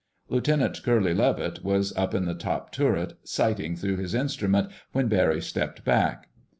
Lieutenant Curly Levitt was up in the top turret sighting through his instrument when Barry stepped back.